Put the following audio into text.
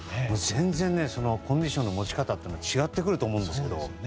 全然コンディションの持ち方が違ってくると思うんですけど。